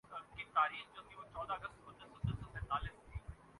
تشدد سب جانتے ہیں کہ بد ترین گھٹن کو جنم دیتا ہے۔